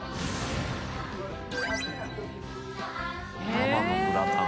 ママのグラタン。